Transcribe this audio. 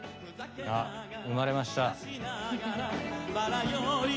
あっ生まれました。